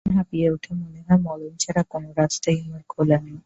প্রাণ হাঁপিয়ে ওঠে, মনে হয় মরণ ছাড়া কোনো রাস্তাই আমার খোলা নেই।